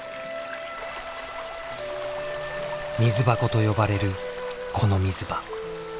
水箱と呼ばれるこの水場。